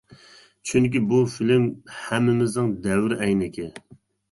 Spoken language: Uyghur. چۈنكى بۇ فىلىم ھەممىمىزنىڭ دەۋر ئەينىكى.